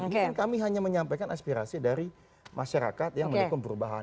ini kan kami hanya menyampaikan aspirasi dari masyarakat yang menikmati perubahan